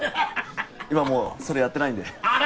今もうそれやってないんであら